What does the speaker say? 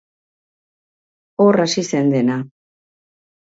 Hor hasi zen dena.